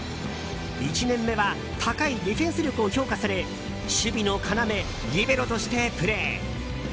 １年目は高いディフェンス力を評価され守備の要、リベロとしてプレー。